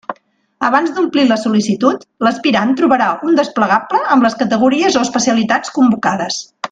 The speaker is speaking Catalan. Abans d'omplir la sol·licitud, l'aspirant trobarà un desplegable amb les categories o especialitats convocades.